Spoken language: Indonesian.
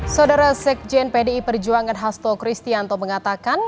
saudara sekjen pdi perjuangan hasto kristianto mengatakan